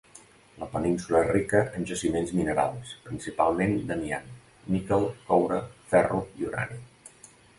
La península és rica en jaciments minerals, principalment d'amiant, níquel, coure, ferro i urani.